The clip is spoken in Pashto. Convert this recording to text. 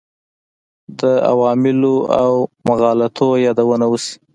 د عواملو او مغالطو یادونه وشي.